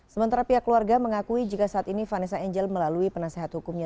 sementara pihak keluarga mengakui jika saat ini vanessa angel melalui penasehat hukumnya